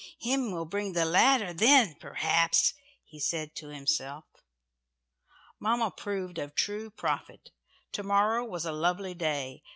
"Him will bring the ladder then, perhaps," he said to himself. Mamma proved a true prophet, "To morrow" was a lovely day.